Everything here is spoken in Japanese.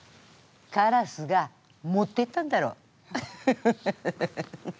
カラスが持っていったんだろ？